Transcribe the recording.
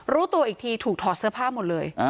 รู้ตัวอีกทีถูกถอดเสื้อผ้าหมดเลย